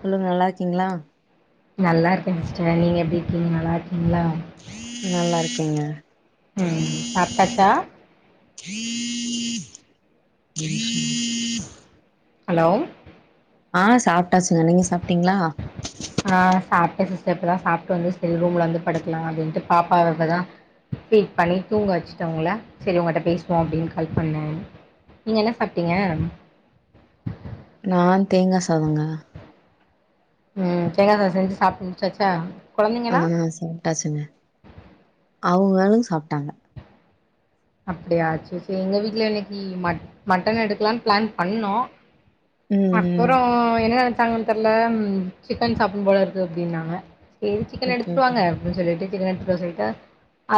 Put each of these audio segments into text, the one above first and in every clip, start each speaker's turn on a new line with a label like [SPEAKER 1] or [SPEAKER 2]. [SPEAKER 1] சொல்லுங்க நல்லாருக்கீங்ளா
[SPEAKER 2] நல்லா இருக்கேன் சிஸ்டர் நீங்க எப்டி இருக்கீங்க நல்லாருக்கீங்ளா
[SPEAKER 1] நல்லாருக்கேங்க
[SPEAKER 2] ம் சாப்டாச்சா
[SPEAKER 1] [inaudible]
[SPEAKER 2] ஹலோ
[SPEAKER 1] ஆ சாப்ட்டாச்சுங்க நீங்க சாப்ட்டீங்ளா
[SPEAKER 2] ஆ சாப்ட்டன் சிஸ்டர் இப்பதா சாப்ட்டு வந்து செரி ரூம்ல வந்து படுக்கலான் அப்டின்ட்டு பாப்பாவ இப்பதா ஃபீட் பண்ணி தூங்க வெச்சுட்டோ அவுங்கள செரி உங்கள்ட்ட பேசுவோ அப்டின்னு கால் பண்ண நீங்க என்ன சாப்டீங்க
[SPEAKER 1] நா தேங்கா சாதோங்க
[SPEAKER 2] ம் தேங்கா சாதோ செஞ்சு சாப்ட்டு முடிச்சாச்சா
[SPEAKER 1] ஆ
[SPEAKER 2] கொழந்தைங்களா
[SPEAKER 1] சாப்டாச்சுங்க அவுங்களு சாப்டாங்க
[SPEAKER 2] அப்டியா சேரி சேரி எங்க வீட்ல இன்னிக்கு ம மட்டன் எடுக்கலான் பிளான் பண்ணோ
[SPEAKER 1] ம் ம்
[SPEAKER 2] அப்றோ என்ன நெனச்சாங்கன்னு தெர்ல சிக்கன் சாப்பிடனும் போல இருக்கு அப்டின்னாங்க சேரி சிக்கன்
[SPEAKER 1] ஓகே
[SPEAKER 2] எடுத்துட்டு
[SPEAKER 1] ஓகே
[SPEAKER 2] வாங்க னு சொல்லிட்டு சிக்கன் எடுத்துட்டு வர சொல்லிட்டு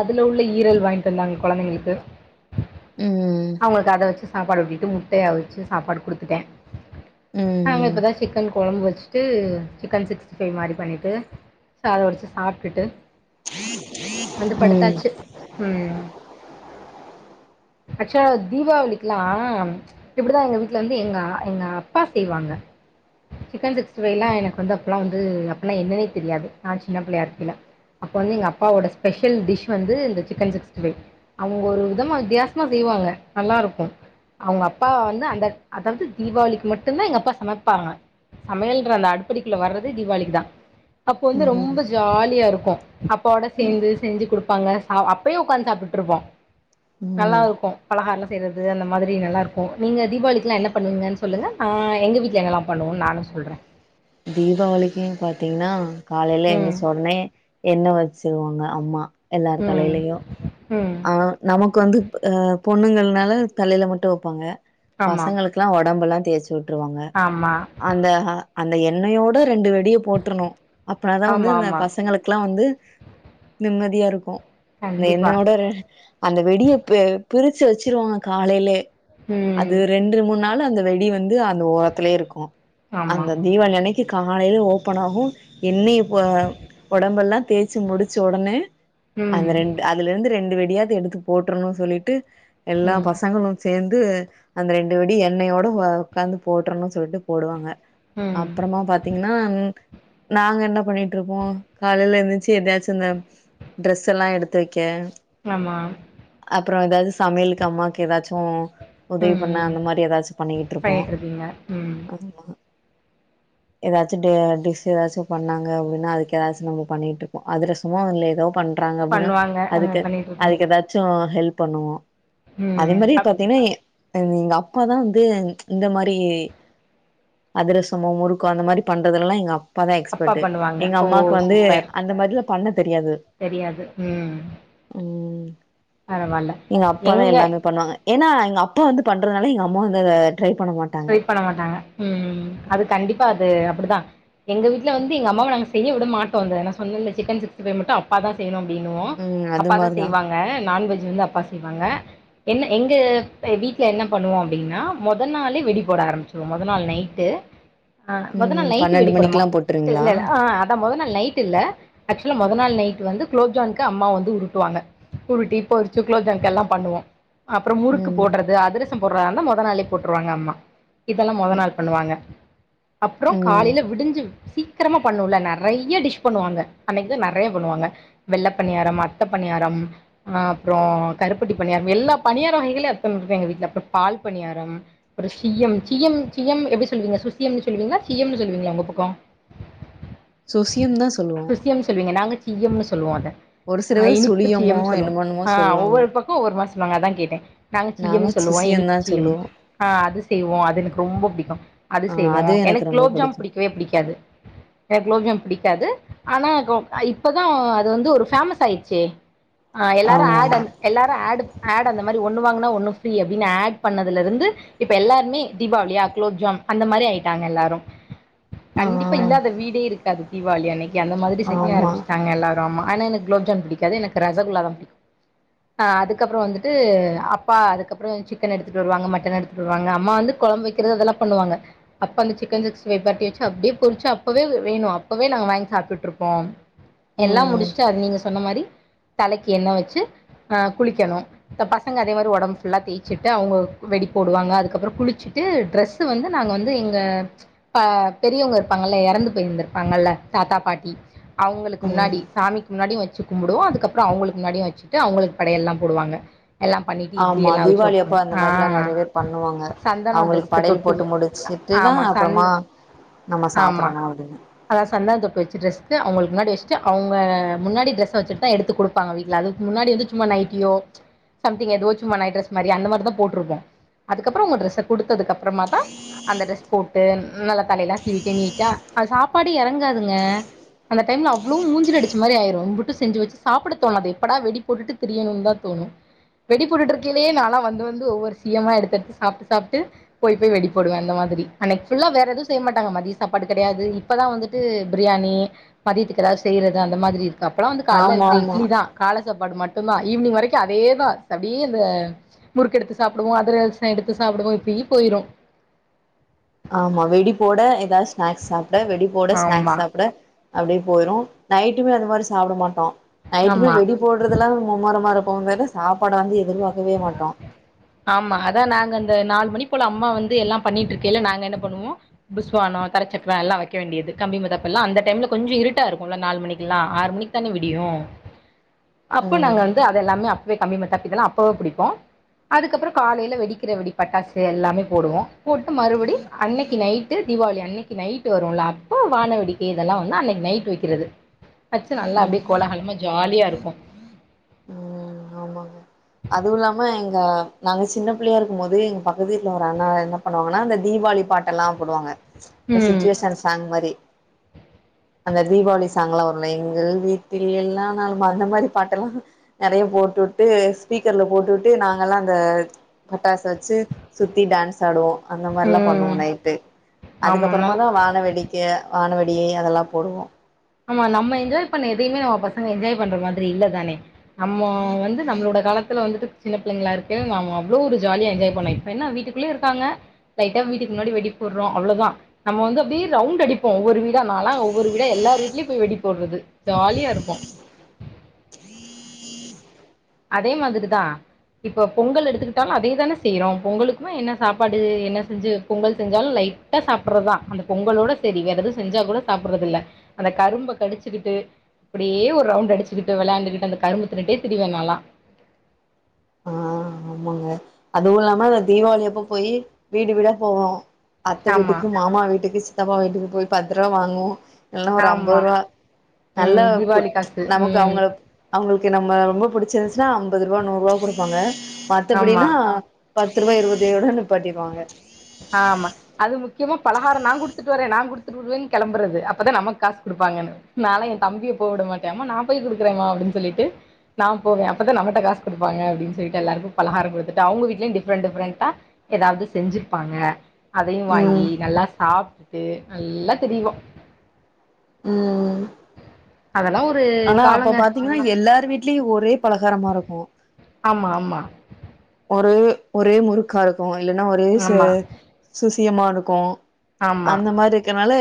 [SPEAKER 2] அதுல உள்ள ஈரல் வாங்கிட்டு வந்தாங்க கொழந்தைங்களுக்கு
[SPEAKER 1] ம்
[SPEAKER 2] அவுங்களுக்கு அத வெச்சு சாப்பாடு ஊட்டிட்டு முட்டய அவிச்சு சாப்பாடு குடுத்துட்டேன் நாங்க
[SPEAKER 1] ம்
[SPEAKER 2] இப்பதா சிக்கன் கொழம்பு வெச்சுட்டு சிக்கன் சிக்ஸ்டி ஃபைவ் மாரி பண்ணிட்டு சாதோ வடிச்சு சாப்டுட்டு வந்து
[SPEAKER 1] ம்
[SPEAKER 2] படுத்தாச்சு ம் அச்சா தீபாவளிக்கெல்லா இப்டிதா எங்க வீட்லந்து எங்க எங்க அப்பா செய்வாங்க சிக்கன் சிக்ஸ்டி ஃபைவ்ல்லா எனக்கு வந்து அப்பல்லா வந்து அப்பனா என்னனே தெரியாது நான் சின்ன பிள்ளயா இருக்கைல அப்ப வந்து எங்க அப்பாவோட ஸ்பெஷல் டிஷ் வந்து இந்த சிக்கன் சிகஸ்டி ஃபைவ் அவுங்க ஒரு விதமா வித்தியாசமா செய்வாங்க நல்லாருக்கு அவுங்க அப்பா வந்து அந்த அதாவது தீபாவளிக்கு மட்டுந்தா எங்க அப்பா சமப்பாங்க சமையல்ன்ற அந்த அடுப்படிக்குள்ள வர்றதே தீபாளிக்குதா அப்போ வந்து
[SPEAKER 1] ம்
[SPEAKER 2] ரொம்ப ஜாலியாருக்கு அப்பாவோட
[SPEAKER 1] ம்
[SPEAKER 2] சேந்து செஞ்சு குடுப்பாங்க அ அப்பயு உக்காந்து சாப்டுட்ருப்போ
[SPEAKER 1] ம்
[SPEAKER 2] நல்லாருக்கு பலகாரெல்லா செய்யறது அந்த மாரி நல்லாருக்கு நீங்க தீபாவளிக்கெல்லா என்ன பண்ணுவீங்கன்னு சொல்லுங்க நா எங்க வீட்ல என்னெல்லா பண்ணுவோன்னு நானு சொல்ற
[SPEAKER 1] தீபாவளிக்குன்னு பாத்தீங்கன்னா காலைல
[SPEAKER 2] ம்
[SPEAKER 1] எந்துச்ச ஒன்னே எண்ணெ வெச்சிருவாங்க அம்மா எல்லார்
[SPEAKER 2] ம்
[SPEAKER 1] தலைலயு
[SPEAKER 2] ம்
[SPEAKER 1] ஆ நமக்கு வந்து அ பொண்ணுங்கனால தலைல மட்டு வைப்பாங்க
[SPEAKER 2] ஆமா
[SPEAKER 1] பசங்களுக் குலா ஒடம்பெல்லா தேய்ச்சு வுட்டுருவாங்க
[SPEAKER 2] ஆமா
[SPEAKER 1] அந்த ஹ அந்த எண்ணெயோட ரெண்டு வெடிய போட்றனு அப்பனாதா வந்து
[SPEAKER 2] ஆமா
[SPEAKER 1] அந்த
[SPEAKER 2] ஆமா
[SPEAKER 1] பசங்களுக்குலா வந்து நிம்மதியாருக்கு அந்த
[SPEAKER 2] கண்டிப்பா
[SPEAKER 1] எண்ணோட ரெ அந்த வெடிய பெ பிரிச்சு வெச்சிருவாங்க காலைலே
[SPEAKER 2] ம்
[SPEAKER 1] அது ரண்டு மூண் நாள் அந்த வெடி வந்து அந்த ஓரத்துலே இருக்கு
[SPEAKER 2] ஆமா
[SPEAKER 1] அங்க தீவாளி அன்னைக்கு காலைல ஓப்பனாகு எண்ணைய ப ஒடம்பெல்லா தேச்சு முடிச்ச ஒடனே
[SPEAKER 2] ம்
[SPEAKER 1] அந்த ரெண்டு அதுலருந்து ரண்டு வெடியாது எடுத்து போட்றணு சொல்லிட்டு எல்லா
[SPEAKER 2] ம்
[SPEAKER 1] பசங்களு சேந்து அந்த ரெண்டு வெடி எண்ணையோட ஒ ஒக்காந்து போட்றனு சொல்ட்டு போடுவாங்க
[SPEAKER 2] ம்
[SPEAKER 1] அப்றமா பாத் தீங்கன்னா ம் நாங்க என்ன பண்ணிட்டுருப்போ காலைல எந்துருச்சு எதையாச்சு இந்த ட்ரெஸ்ஸெல்லா எடுத்து வைக்கே
[SPEAKER 2] ஆமா
[SPEAKER 1] அப்பறோ எதாது சமையலுக்கு அம்மாக்கு எதாச்சு
[SPEAKER 2] ம்
[SPEAKER 1] உதவி பண்ணா
[SPEAKER 2] ம்
[SPEAKER 1] அந்த மாரி எதாச்சு பண்ணிக்கிட்டுருப்போ
[SPEAKER 2] பண்ணிட்ருக்கீங்க ம்
[SPEAKER 1] எதாச்சு டி டிஸ் எதாச்சு பண்ணாங்க அப்டின்னா அதுக்கு எதாச்சு நம்ம பண்ணிக்ட்டுருப்போ அதிரசமு இல்ல எதோ பண் றாங்க அப்டின்னா
[SPEAKER 2] பண்ணுவாங்க அ
[SPEAKER 1] அதுக்கு
[SPEAKER 2] பண்ணிட்ருக்கு
[SPEAKER 1] அதுக்கு எதாச்சு ஹெல்ப் பண்ணுவோ அதே
[SPEAKER 2] ம்
[SPEAKER 1] மாரி
[SPEAKER 2] அப்
[SPEAKER 1] பாத்தீயன்னா எ எங் எங்க அப்பாதா வந்து இந்த மாரி அதிர சமோ முறுக்கு அந்த மாரி பண்றதெல்லா எங்க அப் ப்பாதா
[SPEAKER 2] அப்பா
[SPEAKER 1] எக்ஸ்பர்ட்
[SPEAKER 2] பண்ணுவாங்க
[SPEAKER 1] எங்க
[SPEAKER 2] ஓ
[SPEAKER 1] அம்மாக்கு வந்து
[SPEAKER 2] சூப்பர்
[SPEAKER 1] அந்த மாரிலா பண்ண தெரியாது
[SPEAKER 2] தெரியாது ம்
[SPEAKER 1] ம்
[SPEAKER 2] பரவால்ல
[SPEAKER 1] எங்க அப்பாதா எல்லாமே பண்ணுவாங்க ஏனா எங்க அப்பா வந்து பண்றதுனால எங்க அம்மா வந்து அத ட்ரை பண்ண மாட்
[SPEAKER 2] ட்ரை பண்ண மாட்டாங்க ம் அது கண்டிப்பா அது அப்டிதா எங்க வீட்ல வந்து எங்க அம்மாவ நாங்க செய்ய விட மாட்டோ அந்த நா சொன்னன்ல சிக்கன் சிக்ஸ்டி ஃபை மட்டு அப் ப்பாதா செய்யணு அப்டின்னுவோ
[SPEAKER 1] ம் அது
[SPEAKER 2] அப்பாதா
[SPEAKER 1] மாரிதா
[SPEAKER 2] செய்வாங்க நான்வெஜ் வந்து அப்பா செய்வாங்க என்ன எங்க வீட்ல என்ன பண்ணுவோ அப்டின்னா மொத நாள்ளே வெடி போட ஆரம்பிச்சுருவோ மொத நாள் நைட்டு ஆ மொத நாள்
[SPEAKER 1] ம்
[SPEAKER 2] நைட்டு வெடி
[SPEAKER 1] பன்னெண்டு
[SPEAKER 2] போடமா
[SPEAKER 1] மணிக்குல்லா போட்டுருவீங்களா
[SPEAKER 2] இல்லல ஆ அதா மொத நாள் நைட் இல்ல ஆக்சுவலா மொத நாள் நைட் வந்து குளோப்ஜாம்க்கு அம்மா வந்து உருட்டுவாங்க உருட்டி பொறிச்சு குளோப்ஜாம்க்கெல்லா பண்ணுவோ அப்றோ முறுக்கு
[SPEAKER 1] ம்
[SPEAKER 2] போடுறது அதிரசம் போடுறதா இருந்தா மொத நாளே போட்டுருவாங்க அம்மா இப்பல்லா மொத
[SPEAKER 1] ம்
[SPEAKER 2] நாள் பண்ணுவாங்க அப்றோ
[SPEAKER 1] ம்
[SPEAKER 2] காலைல விடிஞ்சு சீக்கரமா பண்ணுவ்ல நெறைய டிஷ் பண்ணுவாங்க அன்னைக்குதா நெறைய பண்ணுவாங்க வெள்ள பணியாரம் அத்த பணியாரம் அ அப்றோ கருப்பட்டி பணியாரம் எல்லா பணியாரம் வகைகளயு அத்தன இருக்கு எங்க வீட்ல அப்றம் பால் பணியாரம் சுய்யம் சிய்யம் சுயம் எப்டி சொல்வீங்க சுசியம்னு சொல்லுவீங்களா சியம்னு சொல்லுவீங்ளா ஒங்க பக்கொ
[SPEAKER 1] சுசியம் தா சொல்லுவோ
[SPEAKER 2] சுசியம்னு சொல்வீங்க நாங்க சியம்னு சொல்லுவோ அத
[SPEAKER 1] ஒரு சில
[SPEAKER 2] ஆ
[SPEAKER 1] பேர் சுழியமோ
[SPEAKER 2] இனிப்புச்சியம்னு சொல்லுவோ
[SPEAKER 1] என்னமோ என்னமோ
[SPEAKER 2] ஆ
[SPEAKER 1] சொல்லுவாங்க
[SPEAKER 2] ஒவ்வொரு பக்கொ ஒவ்வொரு மார் சொல்வாங்க அதா கேட்டே நாங்க சியம்னு சொல்லுவோ
[SPEAKER 1] சுசியம்
[SPEAKER 2] இனிப்பு
[SPEAKER 1] தா
[SPEAKER 2] சியம்
[SPEAKER 1] சொல்லுவோ
[SPEAKER 2] அ அது ய்வோ அது எனக்கு ரொம்ப புடிக்கு அது
[SPEAKER 1] ஆ
[SPEAKER 2] செய்வோ எனக்கு
[SPEAKER 1] ரொம்ப
[SPEAKER 2] குலோப்ஜாம்
[SPEAKER 1] புடிக்கு
[SPEAKER 2] புடிக்கவே புடிக்காது எனக்கு குலோப்ஜாம் பிடிக்காது ஆனா கோ இப்பதா அது வந்து ஒரு பேமஸ் ஆயிடுச்சே ஆ எல்லாரு ஆட்
[SPEAKER 1] ஆமாமா
[SPEAKER 2] அந் எல்லாரு ஆடு ஆட் அந்த மாரி ஒன்னு வாங்குனா ஒன்னு ஃ ப்ரி அப்டின்னு ஆட் பண்ணதுல இருந்து இப் ப எல்லாருமே தீபாவளியா குலோப்ஜாம் அந்த மாரி ஆயிட்டாங்க எல்லாரு
[SPEAKER 1] ஆ
[SPEAKER 2] கண்டிப்பா இல்லாத வீடே இருக்காது தீவாளி அன்னக்கி அந்த மாரி செய்ய
[SPEAKER 1] ஆமா
[SPEAKER 2] ஆரம்பிச்சிட்டாங்க எல்லாரு ஆமா ஆன எனக்கு குலோப்ஜாம் பிடிக்காது எனக்கு ரசகுல்லா தா பிடிக்கு ஆ அதுக்கப்பறோ வந்துட்டு அப்பா அதுக்கப்பறோ சிக்கன் எடுத்துட்டு வருவாங்க மட்டன் எடுத் துட்டு வருவாங்க அம்மா வந்து கொழம்பு வக்கிறது அதெல்லா பண்ணுவாங்க அப்பா வந்து சிக்கன் சிக்ஸ்டி ஃபைவ் பெரட்டி வச்சு அப்டியே பொறிச்சி அப்பவே வேணு அப்பவே நாங்க வாங்கி சாப்ட்டு இருப்போ எல்லா
[SPEAKER 1] ம்
[SPEAKER 2] முடிச்சுட்டு அது நீங்க சொன்ன மாரி தலைக்கி எண்ணெ வச்சு ஆ குளிக்கணு இந்த பசங்க அதே மாரி ஒடம்பு ஃபுல்லா தேய்ச்சுட்டு அவங்க வெடி போடுவாங்க அதுக்கப்பறோ குளிச்சுட்டு ட்ரெஸ் வந்து நாங்க வந்து எங்க இப்ப பெரியவங்க இருப்பாங்கல்ல இறந்து போயிருந்திருப்பாங்கல்ல தாத்தா பாட்டி அவங்களுக்கு
[SPEAKER 1] ம்
[SPEAKER 2] முன்னாடி சாமிக்கு முன்னாடியு வச்சு கும்பிடுவோ அதுக்கப்பறோ அவங்களுக்கு முன்னாடியு வச்சுட்டு அவங்களுக்கு படையல்லா போடுவாங்க எல்லா பண்ணிட்டு இட்லி
[SPEAKER 1] ஆமா
[SPEAKER 2] எல்லா அவிச்சி
[SPEAKER 1] தீபாவளி
[SPEAKER 2] வப்போ
[SPEAKER 1] அப்ப அந்த
[SPEAKER 2] ஆ
[SPEAKER 1] மாரிலா நெறைய பேர் பண்ணுவாங்க
[SPEAKER 2] சந்தனம்
[SPEAKER 1] அவங்களுக்கு
[SPEAKER 2] ட்ரெஸ்க்கு
[SPEAKER 1] படையல்
[SPEAKER 2] தொட்டு
[SPEAKER 1] போட்டு முடிச்சுட்டு தா
[SPEAKER 2] ஆமா சந்த
[SPEAKER 1] அப்பறமா நம்ம சாப்டனு அப்டின்
[SPEAKER 2] அதாது சந்தன தொட்டு வச்சி ட்ரெஸ்க்கு அவங்களுக்கு முன்னாடி வச்சுட்டு அவங்க முன்னாடி டிரெஸ்ஸ வச்சுட்டு தா எடுத்து குடுப் பாங்க வீட்ல அதுக்கு முன்னாடி வந்து சும்மா நைட்டியோ சம்திங் ஏதோ சும்மா நைட் ட்ரெஸ் மாரி அந்த மாரி தா போட்டுருப்போ அதுக்கப்பறோ உங்க ட்ரெஸ்ஸ குடுத்ததுக்கு அப்பறமா தா அந்த ட்ரெஸ் போட்டு நல்லா தலையெல்லா சீவீட்டு நீட்டா அது சாப்பாடு இறங்காதுங்க அந்த டைம்ல அவ்ளவு மூஞ்சில அடிச்ச மாரி ஆயிரு இம்புட்டு செஞ்சி வச்சு சாப்ட தோணாது எப்படா வெடி போட்டுட்டு திரியணுன்னு தா தோணு வெடி போட்டுட்டு இருக்கேலயே நாலா வந்து வந்து ஒவ்வொரு சியமா எடுத் து சாப்ட்டு சாப்ட்டு போய் போய் வெடி போடுவே அந்த மாதிரி அன்னக்கி ஃபுல்லா வேற எதுவு செய்ய மாட்டாங்க மதிய சாப்பாடு கெடையாது இப்பதா வந்துட்டு பிரியாணி மதியத்துக்கு ஏதாது செய்றது அந்த மாதிரி இருக்கு அப்போல்லா வந்து கால்ல
[SPEAKER 1] ஆமா
[SPEAKER 2] அவிக்கிற
[SPEAKER 1] ஆமா
[SPEAKER 2] இட்லி தா கால சாப்பாடு மட்டுந்தா ஈவினிங் வரைக்கு அதேதா சப்டியே அந்த முறுக்கு எடுத்து சாப்டுவோ அதிர சோ எடுத்து சாப்டுவோ இப்பி போயிரு
[SPEAKER 1] ஆமா வெடி போட ஏதாது ஸ்நாக்ஸ் சாப்ட வெடி போட ஸ்நாக்ஸ்
[SPEAKER 2] ஆமா
[SPEAKER 1] சாப்ட அப்டியே போயிரு நைட்டுமே அது மாரி சாப்ட மாட்டோ நைட்டுமே
[SPEAKER 2] ஆமா
[SPEAKER 1] வெடி போடுறதுலா மும்மரமா இருப்போ பேர்ல சாப்பாட வந்து எதிர்பாக்கவே மாட்டோ
[SPEAKER 2] ஆமா அதா நாங்க அந்த நாலு மணி போல அம்மா வந்து எல்லா பண்ணிட்டு இருக்கேல நாங்க என்ன பண்ணுவோ புஸ்வானோ தரச்சக்கரோ எல்லா வைக்க வேண்டியது கம்பி மத்தாப்பு எல்லா அந்த டைம்ல கொஞ்சோ இருட்டா இருக்குல்ல நாலு மணிக்குல்லா ஆறு மணிக்கு தானே விடியு அப்ப
[SPEAKER 1] ம்
[SPEAKER 2] நாங்க வந்து அதெல்லாமே அப்பவே கம்பி மத்தாப்பு இதெல்லா அப்பவே பிடிப் போ அதுக்கப்பறோ காலேல வெடிக்கிற வெடி பட்டாசு எல்லாமே போடுவோ போட்டு மறுபடி அன்னக்கி நைட்டு தீபாவளி அன்னக்கி நைட்டு வருல்ல அப்ப வானவேடிக்கை இதெல்லா வந்து அன்னக்கி நைட்டு வக்கிறது வச்சி நல்லா
[SPEAKER 1] ம்
[SPEAKER 2] அப்டியே கோலகலமா ஜாலியா இருக்கு
[SPEAKER 1] ம் ஆமாங்க அதுவு இல்லாம எங்க நாங்க சின்ன பிள்ளையா இருக்கும் போது எங்க பக்கத்து வீட்ல ஒரு அண்ணா என்ன பண்ணுவாங்கன்னா இந்த தீவாளி பாட்டெல்லா போடுவாங்க இந்த
[SPEAKER 2] ம்
[SPEAKER 1] சுச்சுவேஷன் சாங் மாரி அந்த தீபாவளி சாங் எல்லா வருல்ல எங்கள் வீட்டில் எல்லா நாளும் அந்த மாரி பாட்டெல்லா நெறையா போட்டு விட்டு ஸ்பீக்கர்ல போட்டுவிட்டு நாங்கள்லா அந்த பட்டாச வச்சு சுத்தி டான்ஸ் ஆடுவோ அந்த மாரில்லா பண்ணுவோ
[SPEAKER 2] ம்
[SPEAKER 1] நைட்டு அதுக்கு
[SPEAKER 2] ஆமா நல்
[SPEAKER 1] அப்பறமாதா வான வெடி க்க வானவெடி அதெல்லா போடுவோ
[SPEAKER 2] ஆமா நம்ம என்ஜாய் பண்ண எதையுமே நம்ம பசங்க என்ஜாய் பண்ற மாதிரி இல்லதானே நம்ம வந்து நம்மளோட காலத்துல வந்துட்டு சின்ன பிள்ளைங்களா இருக்கைல நாம அவ்ளோ ஒரு ஜாலியா என்ஜாய் பண்ண இப்ப என்ன வீட்டுக் குள்ளயே இருக்காங்க லைட்டா வீட்டுக்கு முன்னாடி வெடி போடுறோ அவ்ளோதா நம்ம வந்து அப்டியே ரவுண்டு அடிப்போ ஒவ்வொரு வீடா நாளா ஒவ்வொரு வீடா எல்லார் வீ இலிப்பு வெடி போடுறது ஜாலியா இருக்கு அதே மாதிரி தா இப்போ பொங்கல் எடுத்துக்கிட்டாலு அதே தான செய்றோ பொங்கலுக்குமே என்ன சாப்பாடு என்ன செஞ்சு பொங்கல் செஞ்சாலு லைக் கட்ட சாப்பிடுறதுதா அந்த பொங்கலோட சரி வேற எதுவு செஞ்சா கூட சாப்டறது இல்ல அந்த கரும்ப கடிச்சுக்கிட்டு அப்படியே ஒரு ரவுண்ட் அடிச்சுகிட்டு விளாண்டுகுட்டு அந்த கரும்ப தின்னுட்டே திரியுவே நாலா
[SPEAKER 1] ஆ ஆமாங்க அதுவு இல்லாம இந்த தீபாவளி அப்ப போய் வீடு வீடா போவோ அத்த
[SPEAKER 2] ஆமா
[SPEAKER 1] வீட்டுக்கு மாமா வீட்டுக்கு சித்தப்பா வீட்டுக்கு போய் பத்ருவா வாங்குவோ இல்லனா ஒரு
[SPEAKER 2] ஆமா
[SPEAKER 1] அம்பதுருவா நல்லா
[SPEAKER 2] ம் தீபாவளி காசு
[SPEAKER 1] நமக்கு
[SPEAKER 2] ம்
[SPEAKER 1] அவங்க அவங்களுக்கு நம்ம ரொம்ப புடிச்சிருந்துச்சுன்னா ஐம்பதுருவா நூறுவா குடுப்பாங்க
[SPEAKER 2] ஆமா
[SPEAKER 1] மத்தபடின்னா பத்ருவா இருபதே ஓட நிப்பாட்டிருவாங்க
[SPEAKER 2] ஆமா அது முக்கியமா பலகாரம் நா குடுத்துட்டு வரே நா குடுத்துட்டு வருவேன்னு கிளம்புறது அப்பதா நமக்கு காசு குடுப்பாங்கன்னு நாலாம் எ தம்பிய போ விட மாட்ட நா போய் குடுக்குறன்மா அப்டின் சொல்லிட்டு நா போவே அப்பதா நம்மட்ட காசு குடுப்பாங்க அப்டின் சொல்லிட்டு எல்லாருக்கு பலகாரம் குடுத்துட்டு அவங்க வீ்ட்லய டிஃப்ரெண்ட் டிஃப்ரண்டா எதாவது செஞ்சு ப்பாங்க அதையு
[SPEAKER 1] ம்
[SPEAKER 2] வாங்கி நல்லா சாப்ட்டு நல்லா திரியுவோ
[SPEAKER 1] ம்
[SPEAKER 2] அதெல்லா ஒரு
[SPEAKER 1] ஆனா அப்ப
[SPEAKER 2] காலங்க
[SPEAKER 1] பாத்தீங்கன்னா
[SPEAKER 2] எல்லா
[SPEAKER 1] எல்லார் வீட்லயு ஒரே பலகாரமா இருக்கு
[SPEAKER 2] ஆமா ஆமா
[SPEAKER 1] ஒரே ஒரே முறுக்கா இருக்கு இல்லைன்னா ஒரே ச
[SPEAKER 2] ஆமா
[SPEAKER 1] சுசியமா இருக்கு
[SPEAKER 2] ஆமா
[SPEAKER 1] அந்த மாரி இருக்கனால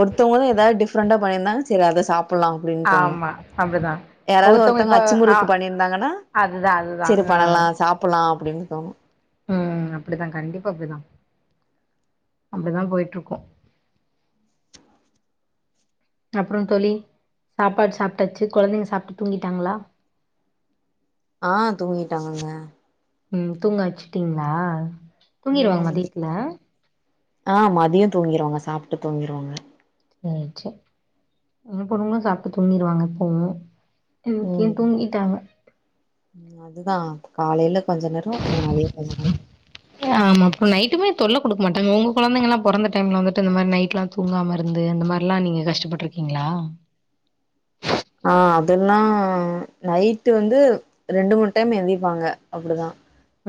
[SPEAKER 1] ஒருத்தவங்களு எதாவது டிஃப்ரெண்டா பண்ணியிருந்தாங்க சரி அதை சாப்டலா
[SPEAKER 2] ஆமா அப்டிதா
[SPEAKER 1] யாராவது ஒருத்தவங்க
[SPEAKER 2] இப்ப
[SPEAKER 1] அச்சு
[SPEAKER 2] ஆ
[SPEAKER 1] முறுக்கு பண்ணியிருந்தாங்கன்னா
[SPEAKER 2] அதுதா அதுதா
[SPEAKER 1] சரி
[SPEAKER 2] ஆ
[SPEAKER 1] பண்ணலா சாப்ட்லா அப்டின் தோணு
[SPEAKER 2] ம் அப்டி தா கண்டிப்பாக அப்டி தா அப்படி தா போய்ட்டுருக்கு அப்பற தோழி சாப்பாடு சாப்ட்டாச்சு கொழந்தைங்க சாப்ட்டு தூங்கிட்டாங்களா
[SPEAKER 1] ஆ தூங்கிட்டாங்கங்க
[SPEAKER 2] ம் தூங்க வச்சுட்டிங்களா தூங்கிடுவாங்க
[SPEAKER 1] ம்
[SPEAKER 2] மதியத்ல
[SPEAKER 1] ஆ மதிய தூங்கிடுவாங்க சாப்ட்டு தூங்கிடுவாங்க
[SPEAKER 2] ம் சர் ஏ பொண்ணுங்களு சாப்ட்டு தூங்கிருவாங்க எப்பவு இன்னைக்கு
[SPEAKER 1] ம்
[SPEAKER 2] தூங்கிட்டாங்க
[SPEAKER 1] அதுதா காலைல கொஞ்சோ நேர அப்பற மதிய கொஞ்சோ நேர
[SPEAKER 2] ஆமா இப்ப நைட்டுமே தொல்ல குடுக்க மாட்டாங்க உங்க கொழந்தைங்களா பொறந்த டைம்ல வந்துட்டு இந்த மாரி நைட்லா தூங்காம இருந்து அந்த மாரிலா நீங்க கஷ்டப்பட்ருக்கீங்களா
[SPEAKER 1] ஆ அதெல்லா நைட்டு வந்து ரெண்டு மூணு டைம் எந்திப்பாங்க அப்படிதா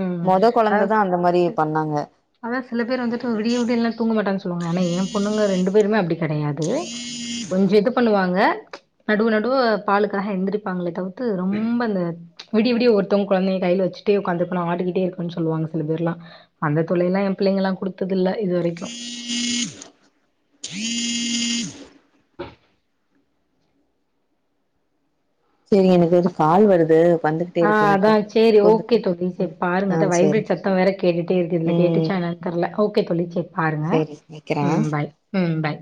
[SPEAKER 2] ம்
[SPEAKER 1] பண்ணாங்க
[SPEAKER 2] அதா சில பேர் வந்துட்டு விடிய விடியல்லா தூங்க மாட்டாங்க சொ ல்வாங்க ஆனா எ பொண்ணுங்க ரெண்டு பேருமே அப்படி கெடையாது கொஞ்சோ இது பண்ணுவாங்க நடுவ நடுவ பாலுக்காக எந்திரிப்பாங்களே தவித்து ரொம்ப இந்த விடிய விடிய ஒருத்தங்க கொழந்தைய கைல வச்சுட்டே உக்காந்து பளா ஆடிக்கிட்டே இருக்கும்ன்னு சொல்லுவாங்க சில பேர்லாம் அந்த தொல்லைல்லா எ பிள்ளைங்கல்லா குடுத்ததில்ல இது வரைக்கு
[SPEAKER 1] சரி எனக்கு இது கால் வருது வந்து
[SPEAKER 2] ஆ அதா சேரி ஓகே தோழி சேரி பாருங்க
[SPEAKER 1] ஆ
[SPEAKER 2] அதா
[SPEAKER 1] சேரி
[SPEAKER 2] வைப்ரட் சத்தோ வேற கேட்டுட்டே இருக்கு இதுல
[SPEAKER 1] ம்
[SPEAKER 2] கேட்டுச்சா ஆனா தெர்ல ஓகே தோழி சேர் பாருங்க
[SPEAKER 1] சேரி வெக்கிறே
[SPEAKER 2] ம் பாய் ம் பாய்